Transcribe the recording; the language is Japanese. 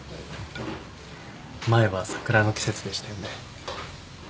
前は桜の季節でしたよね。